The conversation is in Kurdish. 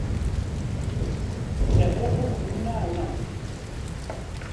req req û xurmîna ewran tê.